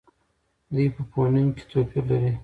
دوی په فونېم کې توپیر لري.